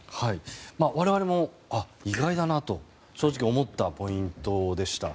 我々も意外だなと正直思ったポイントでした。